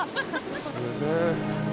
すいません。